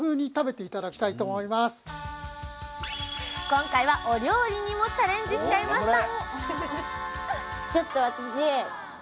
今回はお料理にもチャレンジしちゃいました！